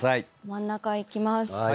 真ん中いきます。